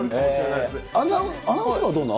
アナウンス部はどうなの？